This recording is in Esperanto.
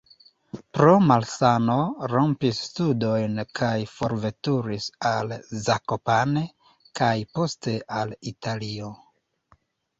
Pro malsano rompis studojn kaj forveturis al Zakopane, kaj poste al Italio.